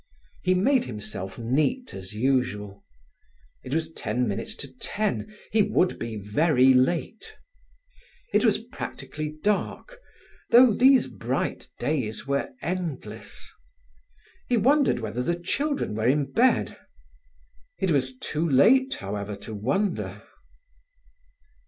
He made himself neat as usual. It was ten minutes to ten. He would be very late. It was practically dark, though these bright days were endless. He wondered whether the children were in bed. It was too late, however, to wonder.